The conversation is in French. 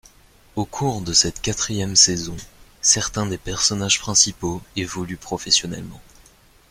Au cours de cette quatrième saison, certains des personnages principaux évoluent professionnellement.